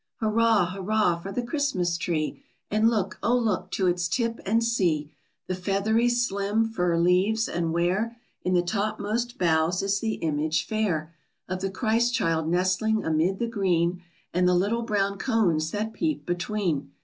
_ Hurrah! Hurrah! for the Christmas tree! And look, O look to its tip and see The feathery slim fir leaves and where, In the topmost boughs, is the image fair Of the Christ child nestling amid the green And the little brown cones that peep between!